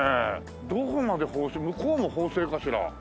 どこまで法政向こうも法政かしら？